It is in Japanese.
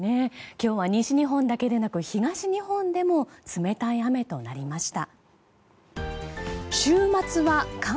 今日は西日本だけでなく東日本でも冷たい雨となりました。